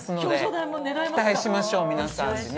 期待しましょう皆さんでね。